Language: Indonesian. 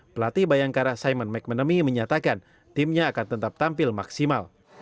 pelatih bayangkara simon mcmanamy menyatakan timnya akan tetap tampil maksimal